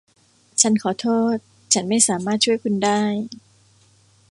ฉันขอโทษ ฉันไม่สามารถช่วยคุณได้